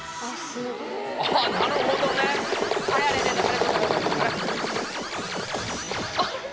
すごいよ。